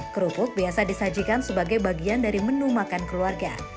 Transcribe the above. kerupuk biasa disajikan sebagai bagian dari menu makan keluarga